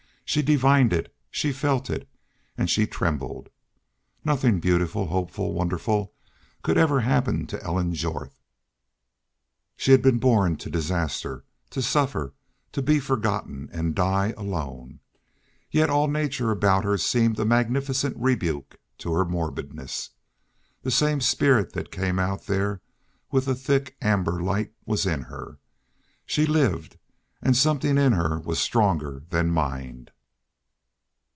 She divined it. She felt it. And she trembled. Nothing beautiful, hopeful, wonderful could ever happen to Ellen Jorth. She had been born to disaster, to suffer, to be forgotten, and die alone. Yet all nature about her seemed a magnificent rebuke to her morbidness. The same spirit that came out there with the thick, amber light was in her. She lived, and something in her was stronger than mind.